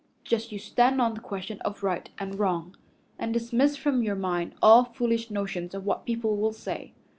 Just you stand on the question of right and wrong, and dismiss from your mind all foolish notions of what people will say.